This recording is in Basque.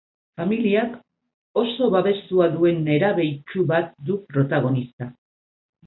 Familiak oso babestua duen nerabe itsu bat du protagonista.